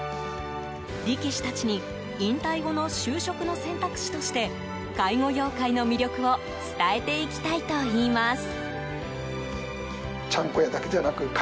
力士たちに引退後の就職の選択肢として介護業界の魅力を伝えていきたいといいます。